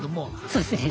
そうですね